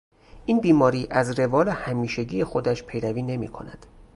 این بیماری از روال همیشگی خودش پیروی نمیکند.